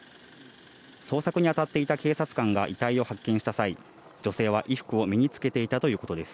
捜索に当たっていた警察官が遺体を発見した際、女性は衣服を身につけていたということです。